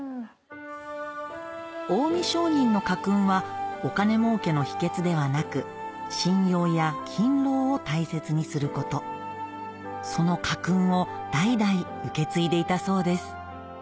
近江商人の家訓はお金もうけの秘けつではなくを大切にすることその家訓を代々受け継いでいたそうです